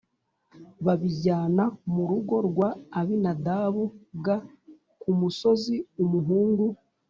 bayijyana mu rugo rwa Abinadabu g ku musozi Umuhungu